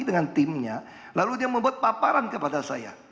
lalu mereka membuat paparan kepada saya